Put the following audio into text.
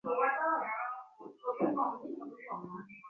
তিনি Gymnasium der Residenzstadt হতে স্নাতক হন।